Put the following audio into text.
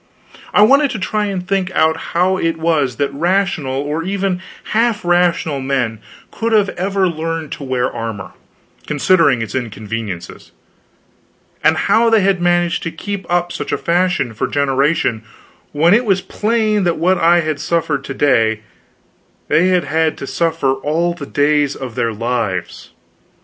I wanted to try and think out how it was that rational or even half rational men could ever have learned to wear armor, considering its inconveniences; and how they had managed to keep up such a fashion for generations when it was plain that what I had suffered to day they had had to suffer all the days of their lives.